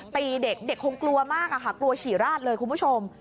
ตีเด็กเด็กคงกลัวมากอะค่ะกลัวฉี่ราดเลยคุณผู้ชม